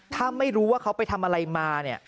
ถ้าไม่รู้ว่าเขาไปทำอะไรมาเนี่ย